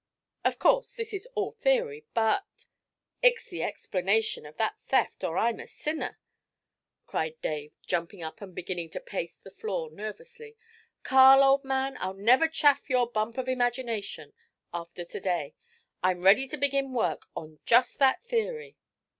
Of course this is all theory, but ' 'It's the explanation of that theft, or I'm a sinner!' cried Dave, jumping up and beginning to pace the floor nervously. 'Carl, old man, I'll never chaff your "bump of imagination," after to day. I'm ready to begin work on just that theory.'